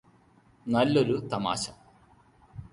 നല്ലൊരു തമാശ